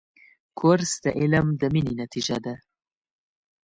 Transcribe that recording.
کورس د علم د مینې نتیجه ده.